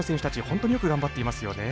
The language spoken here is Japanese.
本当によく頑張っていますよね。